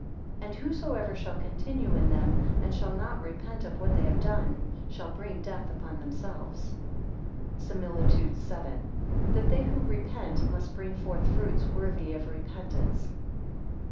44 And whosoever shall continue in them, and shall not repent of what they have done, shall bring death upon themselves. SIMILITUDE VII. That they who repent, must bring forth, fruits worthy of repent once.